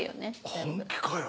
本気かよ？